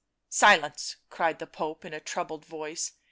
" Silence !" cried the Pope in a troubled voice.